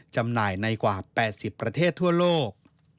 จำหน่ายในกว่า๘๐ประเทศทั่วโลก